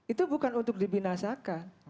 itu bukan untuk dibinasakan